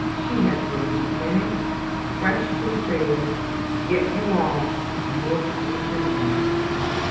She has virgins many, Fresh and fair, Yet you are More sweet than any."